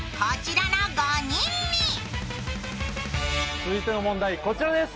続いての問題、こちらです。